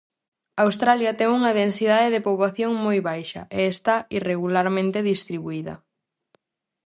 Australia ten unha densidade de poboación moi baixa e está irregularmente distribuída.